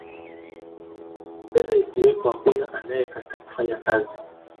pesa ikiwepo hakuna anayekataa kufanya kazi